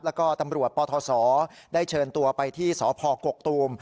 แล้วก็ตำรวจปทศได้เชิญตัวไปที่สพกกตูม